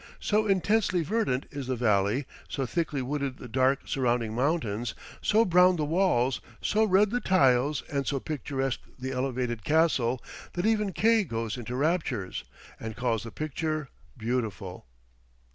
So intensely verdant is the valley, so thickly wooded the dark surrounding mountains, so brown the walls, so red the tiles, and so picturesque the elevated castle, that even K goes into raptures, and calls the picture beautiful.